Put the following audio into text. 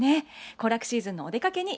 行楽シーズンのお出かけに